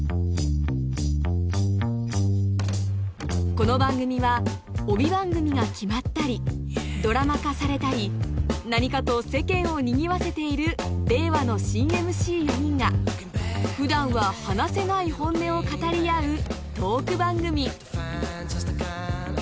この番組は帯番組が決まったりドラマ化されたり何かと世間をにぎわせている令和の新ＭＣ４人が普段は話せない本音を語り合うトーク番組